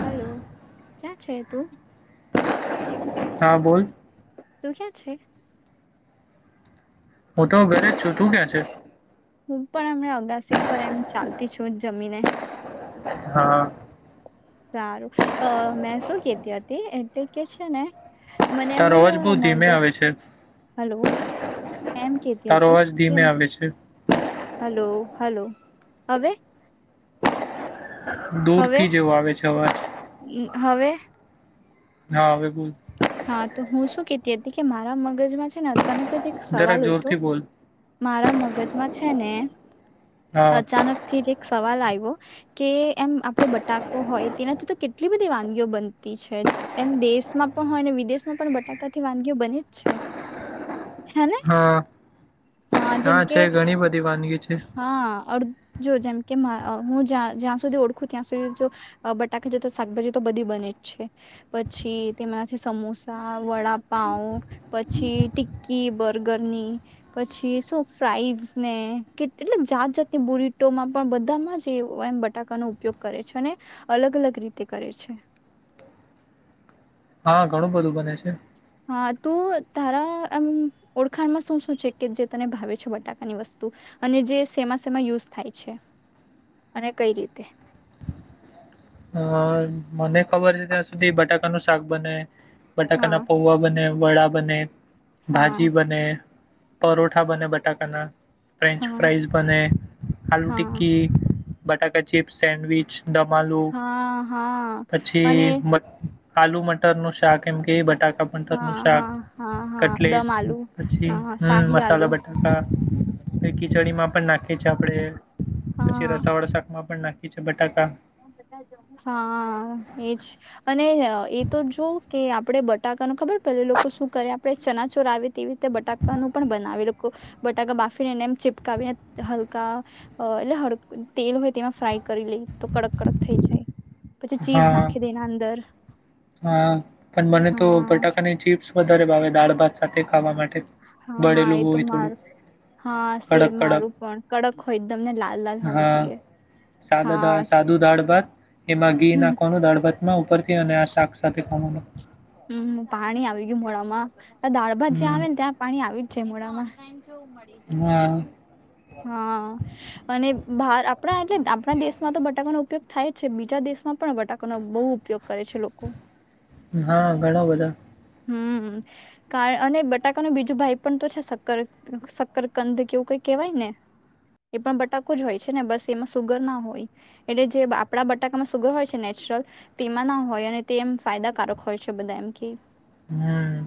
Hello ક્યાં છે તું હા બોલ તું ક્યાં છે? હું તો ઘરે જ છું. તું ક્યાં છે? હું પણ એમને અગાસી પર એમ ચાલતી છું જમીને. હા. સારું અહ મેં શું કેતી હતી એટલે કે છે ને મને એમ તારો જ અવાજ અહ બહુ ધીમે મગજ આવે છે હલો એમ કેતી તારો હતી અવાજ ધીમે કેમ આવે છે હલો હલો. હવે? હવે દૂરથી જેવો આવે છે અવાજ. ઉમ, [inaudible] હા હવે બોલ. હા તો હું શું કેતી હતી કે મારા મગજમાં છે ને અચાનક જ એક જરાક સવાલ ઉઈઠો. જોરથી બોલ મારા મગજમાં છે છેને હા અચાનક થી જે સવાલ આવ્યો, કે એમ આપડે બટાકો હોય તેનાથી તો કેટલી બધી વાનગીઓ બનતી છે. એમ દેશમાં પણ હોય ને વિદેશ માં પણ બટાકાથી વાનગીઓ બને જ છે. હેને હા જેમ હા કે છે ઘણી બધી વાનગી છ હા. અડ જો જેમ કે અહ હું જ્યાં જ્યાં સુધી ઓળખું ત્યાં સુધી જો અહ બટાકા જો તો શાકભાજી તો બધી બને જ છે. પછી તેમાંથી સમોસા, વડાપાંવ પછી ટિક્કી બર્ગરની પછી શું ફ્રાઇઝ ને કેટલીમ જાત જાતની બુરીટોમાં પણ બધામાં જ એ એમ બટાકાનો ઉપયોગ કરે છે. અને અલગ અલગ રીતે કરે છે. હા ઘણું બધું બને છે. હા તું તારા આમ ઓળખાણમાં શું શું છે? કે જે તને ભાવે છે બટાકાની વસ્તુ અને જે સેમા સેમા યુઝ થાય છે? અને કઈ રીતે? અ, મને ખબર છે ત્યાં સુધી, બટાકા નું શાક બને. બટાકા હા ના પૌવા બને. વડા બને. હા ભાજી બને. પરોઠા બને બટાકાના. ફ્રેન્ચ હા ફ્રઇઝ બને, આલુ હા ટિક્કી. બટાકા ચિપ્સ, સેન્ડવિચ. દમાલુ હા હા. પછી અને બટ આલુ મટર નું શાક કેમ કે એ બટાક ટપ્પણ તર હા નું શાક, હા હા હા કટલીસ દમ આલુ પછી હા હમ્મ શાહી આલુ મસાલા બટાકા પઈ ખીચડી માં પણ નાખીએ છીએ આપડણે. પછી હા રસાવાળા શાકમાં પણ નાખ ખી છે બટાકા [inaudible] હા એજ અને. એ તો જો કે આપડે બટાકા ન ખબર. પે લોકો શું કરે? ચનાચોર આવી. તેવી રીતે બટાકાનું પણ બનાવેલુ કો બટાકા બાફીનેને નેમ ચિપકાવીને હલકા અ હડકન તેલ હોય તેમાં ફ્રાય કરી લે તો કડક કડક થઈ જાય. પછી ચીઝ હા નાખીને એના અંદર હા, પણ મને તો હા બટાકાની ચિપ્સ વ વધારે ભાવે, દાળ ભાત સાથે ખાવા માટ હા હા બળેલું એ તો હોય માર થોડું, હા સેમ કડક કડક, હા, બળેલું હોય થોડું, કડક મારું પણ હોય એકદમને લાલ લાલ કડક, હોવું હા, જોઈએ હા સાદા-ધ સાદું દાળ ભાત એમાં ઘી હમ નાખવાનું દાળ ભાતમાં ઉપરથી અને આ [unintelligible] હમ્મ, પાણી આવી ગ્યું મોળમાં દાળ ભાત હમ જ્યાં આવે ને ત્યાં પાણી આવી જ છે મોડામાં કેવું મળી જાય હા હા, અને બાર આપડા એટલે આપણા દેશમાં તો બ બટાકાનો ઉપયોગ થાય છે બીજા દેશમાં પણ બટાકાનો બોઉ ઉપયોગ કરે છે લોકો હા ઘણા બધા હમ્મ, કાર અને બટાકાનો બીજું ભાઈ પણ તો છે શક્કર શક્કરકંદ કેવું કઈ કેહેવાય ને એ પણ બટાકો જ હોય છે ને બસ એમાં સુગર ના હોય, એટલે જે આપડા બટાકામાં સુગર હોય છે નેચરલ તેમાં ના હોય અને તે એમ ફાયદાકારક હોય છે બધા એમ કેય હમ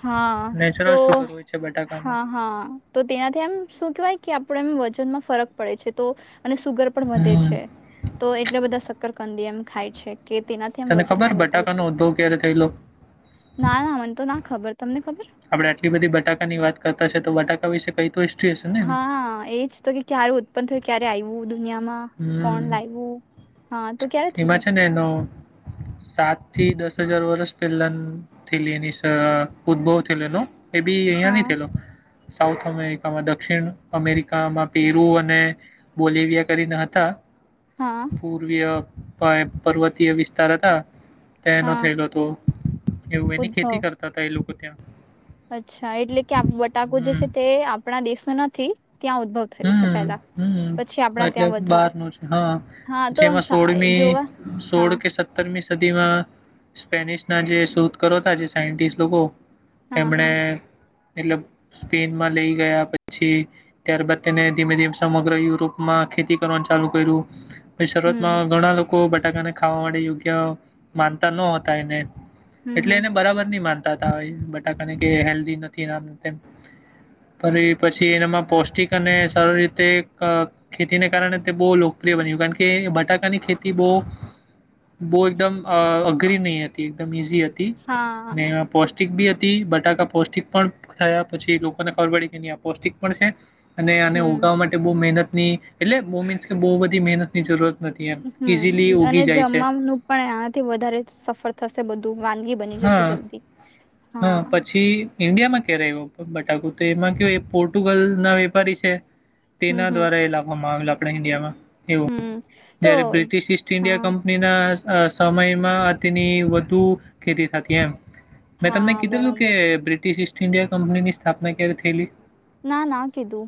હા, નેચરલ તો, સુગર હોય છે બટાકામાં હા, હા તો, તેનાથી એમ શું કહેવાય કે આપડે એમ વજનમાં ફરક પડે છે તો અને સુગર પણ વધે હમ છે, તો એટલા બધા સ કરકંદિયમ ખાય છે કે તેનાથી એમ તને વજન ખબર ના વધે બટાકાનો એટલે ઉદભવ ક્યારે થયલો ના, ના, મન તો ના ખબર તમને ખબર આપડે આટલી બધી બટાકા ની વાત કરતા છે તો બટાકા વિશે કઈ તો હિસ્ટ્રી હશે ને એની હા એજ તો કે ક્યારે ઉત્પન્ન થયું ક્યારે આઈવું દુ. નિયામાં કોણ હમ લાઈવું હા તો ક્યારે એમાં થયું? છે ને એનો સાત થી દસ હજાર વરસ પેલાન થેલી એની સ ઉદ્ભવ થયેલો એનો. એ બી અહીંયા હા નઈ થયલો, સાઉથ અમેરિકામાં દ ક્ષિણ અમેરિકામાં પેરુ, અને બોલેવિયા કરીન હતા. હા પૂર્વીય પણ પર્વતીય વિસ્તાર હતા. તેનો હા થયલો અતો. એવું એની ખેતી ઉદ્ભવ કરતા તા એ લોકો. કુઠ્યા. અચ્છા એટલે કે બટાકુ જે છે તે આપણા દેશ શું નથી. ત્યાં ઉદ્ભવ થયું છે હમ પેલા પછી હમ આપણા એટલે ત્યાં વધવા બાર ન છે હા હા તો જેમાં સા સોળમી જોવા સોળ હા કે સત્તરમી સ્પેનિશ ના જે શધ કરો જે સાયસ્ટ લોકો. હા તેમણે હા એટલબ સ્પેનમાં લઈ ગયા પછી, ત્યારબાદ તેને ધીમે ધીમે સમગ્ર યુરોપમાં ખેતી કરવાનું ચાલુ કર્યું. હમ શરૂઆતમાં ઘણા લોકો ખાવા માટે યોગ્ય માનતા ન હોતા એને. હમ એટલે હમ એને બરાબર નઈ માનતા. બટાકાને હેલદી નથી, પછી એના પષ્ટિક અને સરારી રીતે ખેતીને કારણે તે બહુ લોકપ્રિય બન્યું કારણ કે બટાકાની ખેતી બહુ, બહુ એકદમ અઘરી નહીં હતી. એકદમ ઈઝી હતી ને હા પૌષ્ટિક બી હતી. બટાકા પૌષ્ટિક પણ થયા પછી લોકોને ખબર પડી કે નહી પૌષ્ટિક પણ છે. અને આને હમ ઉગાવવા માટે બહુ મહેનત ની એટલે મોમેન્ટ ઇઝીલી હમ અને ઉગી જાય છે જમવાનું પણ આનાથી વધારે સફર થશે બધું. વાનગી બની જશે હા જલ્દી હા પછી ઇન્ડિયામાં ક્યારે રહ્યું? બટાકુ તો એમાં કે એ પોર્ટુગલ ના વેપારી છે. હમ તેના હમ દ્વારા એ લખવામાં આવેલા. આપણે ઈન્ડિયામાં. એવું, હમ તો જયારે જ બ્રિટિશ ઈસ્ટ ઇન્ડિયા હા કંપનીના અ સમયમાં તેની વધુ. ખેતી થતી એમ. મેં હા તમને કીધેલું કે બરાબર બ્રિટિશ ઇસ્ટ ઇન્ડિયા કંપની સ્થાપના ક્યારે થયેલી? ના ના આ કધુ.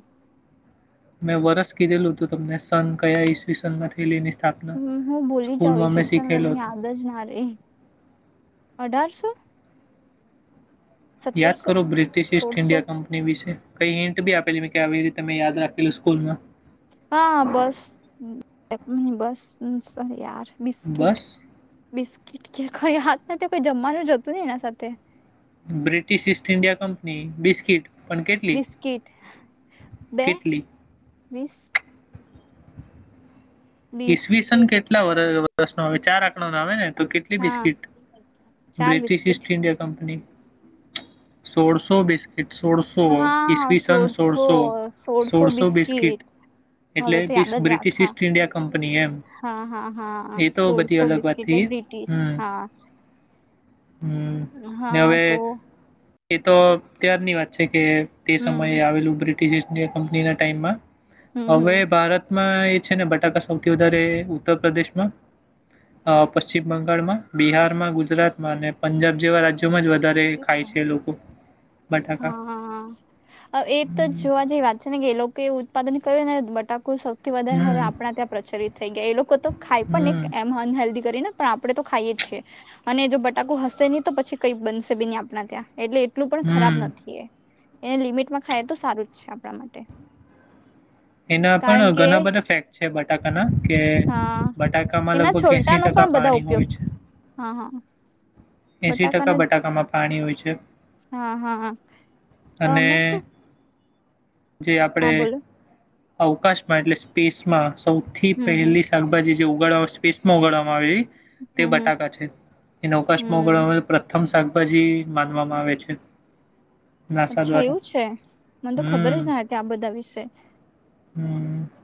મેં વરસ કીધેલું હતું તમને સન કયા ઈસ્વી સન માં થયલી તે. હમ હું ભૂલી જાઉં ઈશસન મને હતો. યાદ જ ના રે. અઢારસો યાદ સત્તરસો કરો બ્રિટિશ ઈસ્ટ સોળસો ઇન્ડિયા કંપની વિશે. કઈ હિન્ટ બી આપેલી મે કે આવી રીતે મેં યાદ રાખેલું સ્કૂલમાં. હા બસ બસ. હમ સહિ યાર. બિસ્કીટ. બસ. બિસ્કીટ કે કઈ હાથ નથી કોઈ જમવાનું જતું ને એના સાથે. British East India company biscuit. પણ કેટલી બિસ્કીટ બે કેટલી? વીસ. ઈવીસન બિસ્કીટ કેટલા વર્ષ નુ આવે ચાર આંકડા નુ આવે ને તો કેટલી હા બિસ્કીટ ચાર British biscuit East India company સોળસો બિસ્ સોળસો ઈસવી સન સોળસો સોળસો બિસ્કીિટ હવે એટલે તો યાદ જ બ્રિટિશ રાખા ઈસ્ટ ઇન્ડિયા કંપની એમ હા હા હા એ તો બધી સોળસો અલગ વાત બીસકીટ થઈ એટલે બ્રિટિશ હમ હા હમ ને હા હવે તો એ તો ક્યારની વાત છે કે તે સમયે હમ આવેલું બ્રિટ ઈસ્ટ ઈન્ડિયા કંપની ના ટાઈમમાં હમ હવે હમ ભારત માં એ છે ને બટાકાસ સૌથી વધારે ઉત્તર પ્રદેશમાં પશ્ચિમ બંગાળમાં બિહારમાં ગુજરાતમાં અને પંજાબ જેવા રાજ્યોમાં જ વધારે હ હ ખાય છે એ લોકો બટાકા. હ એ તો હમ, જોવા જેવી વાત છે ને કે લોકો ઉત્પાદન બટાકુ સ થી વધારે હવે હમ, આપણા ત્યાં પ્રચલિત થઈ ગયા એ લોકો તો ખાય પણ હમ, ને એમ અનહેેલ્ધી કરીને પણ આપડે તો ખાઈએ જ છીએ અને જો બટાકુ હશે નહી તો પછી કઈ બનશે સીને આપણા ત્યા એટલે એટલું પણ ખરાબ હમ. નથી એ એને લિમિટમાં ખાય તો સારું જ છે આપણા માટે એના કારણ પણ કે ઘણા બધા ફેક્ટ છે બટ [unintelligible] કે હા બટાકામાં એના લગભગ એસી છોલટાનો ટકા પણ બધા પાણી ઉપયોગ હોય છે હા હા એસી ટકા બટાકાનો બટાકામાં પાણી હોય છે હા હા અને અમે શું જે હા આપણેે બોલો અવકાશમાં એટલે સ્પેસમાં સૌથી હમ હમ પહેલી શાકભાજી જે ઉગાડવા સ્પેસમાં ઉગાડવામાં આવે છે તે હમ હમ બટાકા છે એ નકસ હમ મંગળ પ્રથમ શાકભાજી માનવામાં આવે છે નાસા અચ્છા દ્વારા એવું છે મને તો ખબર હમ જ ના હતી આ બધા વિશે હમ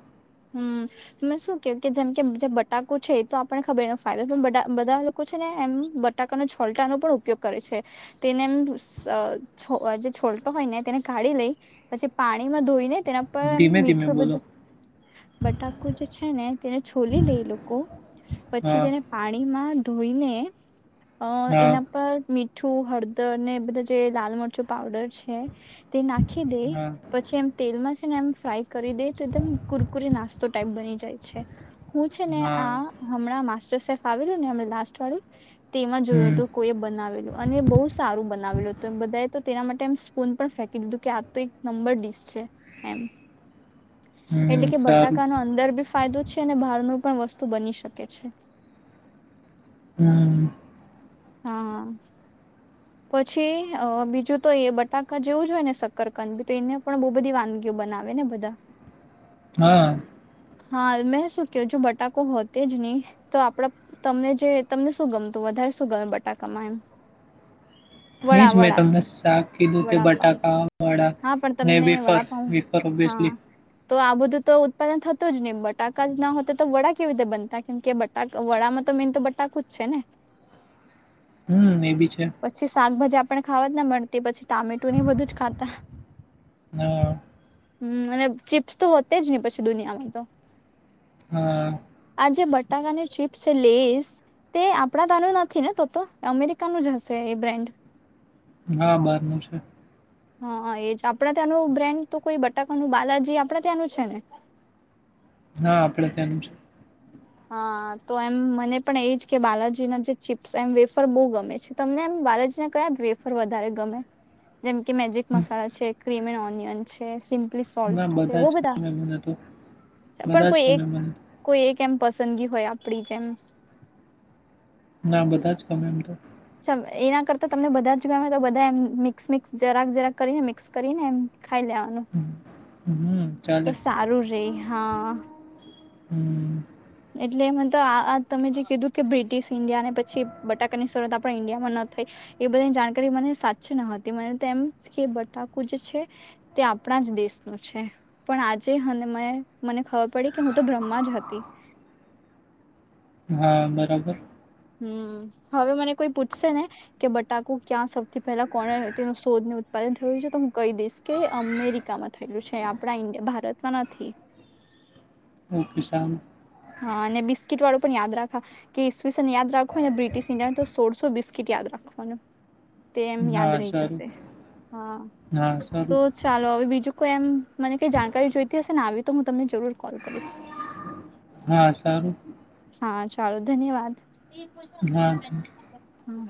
હમ મે શું કે કે જેમ કે જે બટાકો છે એ તો આપણને ખબર ફાયદો બધા લોકો છે ને એમ બટાકાના છોલટાનો પણ ઉપયોગ કરે છે તેને એમ જે છોલટો હોય ને તેને કાઢી લઈ પછી પાણીમાં ધોઈને તેના પર એમ ધીમે ધીમે મીઠું બોલો બધું બટાકુ જે છે ને તેને છોલી લઈ લોકો પછી હા તેને પાણી મામાં ધઈને અ હા એના પરી મીઠું હળદર અને એ બધા જે લાલ મરચું પાવડર છે તે નાખી દે હા પછી એમ તેલમાં એમ ફ્રાય કરી દે કુરકુરી નાસ્તો ટાઈપ બની જાય છે હું છે ને હા આ હમણાં માર આવેલું ને હમ લાસ્ટ વાળું તેમાં જોયું હમ હતું કોઈએ બનાવેલું અને બહુ સારું બનાવેલું હતું બધાએ તો તેના માટે સ્પૂન પણ ફેંકી દીધું કે આ તો એક નંબર ડીશ છે એમ એટલે હમ કે સારું બટાકાનો અંદર બી ફાયદો છે અને બારનો પણ વસ્તુ બની શકે છે હમ હા હ પછી અ બીજું તો એ બટાકા જેવું જો હોય ને શક્કરકંદ બી તો એને પણ બહુ બધી વાનગીઓ બનાવે ને બધા હા હા મેં શું ક જો બટાકો હોતે જ નહી તો આપણા તમને જે તમને શું ગમતું વધારે શું ગમે બટાકામાં એમ ન વડા જ મેં વડા તમને શાક કીધું તે વડાપાવ બટાકા વડા હા પણ તમને નેરફ વડાપાવ હા તો આ બધું તો ઉત્પાદન થતું જ નહી બટાકા જ ન હોતા તો વડા કેવી રીતે બનતા કેમ કે બટા વડામાં તો મેન તો બટાકુ જ છે ને હમ એ બી છે પછી શાકભાજી આપણ ખાવાત ને મળતી પછી ટામેટો ને બધું જ ખાતા હા હમ અને ચીપ્સ તો હોતે જ નહી પછી દુનિયામાં તો હા આ જે બટાકાની ચીપ્સ છે લેસ તે આપણા તનું નથી ને તો તો અમેરિકાનું જ હશે છે એ બ્રાન્ડ હા બારનું છે હા એજ આપણા ત્યાંનું બ્રેન્ડ તો કોઈ બટાકાનું બાદાજી આપડા ત્યાંનું છે ને હા આપડે ત્યાંનું છે હા તો એમ મને પણ એજ કે બાલાજીના જે ચીપ્સ એમ વેફર બહુ ગમે છે તમને એમ બાલાજીના કયા વેફર વધારે ગમે જેમ કે મેજિક હમ, મસાલા છે ક્રીમ [unintelligible] તે સોલ્ટ ના છે જ બધા ગમે મને તો. પણ બધા જ કોઈ એક ગમે મને. કોઈ એક કેમ પસંદગી હોય આપડી જેમ ના બધા જ ગમે એમ તો એના કરતા તમને બધા જ જો તો બધા એમ મિક્સ મિક્સ જરાક જરાક કરીને મિક્સ કરીને એમ ખાઈ લેવાનું હમ, હમ તો ચાલે. સારું રે હા હમ એટલે મ તો આ તમે જે કીધું કે બ્રિટિશ ઇન્ડિયા ને પછી બટાકાની શરૂઆત આપણા ઈન્ડિયામાં ન થઈ એ બધાની જાણકારી મને સાચી ન હતી મને તો એમ કે બટાકુ જે છે તે આપણા જ દેશનું છે પણ આજે મને ખબર પડી કે હું તો બ્રહ્મા જ હતી હા બરાબર હમ હવે મને કોઈ પૂછશે ને કે બટાકુ ક્યાં સૌથી પહેલા કોને તેનું શોધ ઉત્પાદન થયું છે તો હું કઈ દઈશ કે અમેરિકામાં થયેલું છે આપણા ઇન્ડિયા ભારતમાં નથી એક કશામ હા અને બિસ્કીટ વાળું પણ યાદ રાખવા કે ઈસવીસને યાદ રાખોને બ્રિટિશ ઇન્ડિયાને તો સોળસો બિસ્કીટ યાદ રાખવાના તે એમ યાદ હા, રહી સારું. જશે હા હા, સારું. તો ચાલો હવે બીજું કોઈ એમ મને કઈ જાણકારી જોઈતી હશે ને આવી તો હું તમને જરૂર કોલ કરીશ હા સરુ હા ચાલો ધન્યવાદ હા હા